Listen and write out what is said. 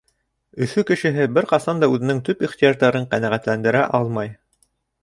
Өфө кешеһе бер ҡасан да үҙенең төп ихтыяждарын ҡәнәғәтләндерә алмай.